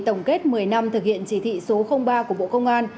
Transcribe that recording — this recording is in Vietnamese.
tổng kết một mươi năm thực hiện chỉ thị số ba của bộ công an